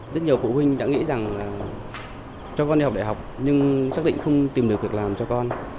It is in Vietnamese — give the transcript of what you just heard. rất nhiều phụ huynh đã nghĩ rằng là cho con đi học đại học nhưng xác định không tìm được việc làm cho con